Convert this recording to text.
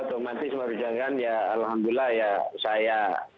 otomatis mau berjagaan ya alhamdulillah ya saya